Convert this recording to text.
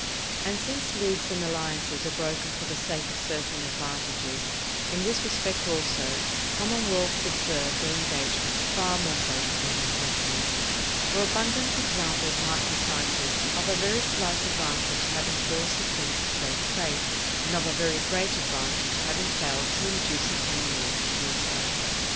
And since leagues and alliances are broken for the sake of certain advantages, in this respect also, commonwealths observe their engagements far more faithfully than princes; for abundant examples might be cited of a very slight advantage having caused a prince to break faith, and of a very great advantage having failed to induce a commonwealth to do so.